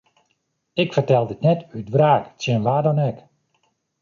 Ik fertel dit net út wraak tsjin wa dan ek.